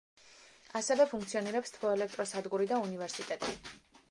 ასევე ფუნქციონირებს თბოელექტროსადგური და უნივერსიტეტი.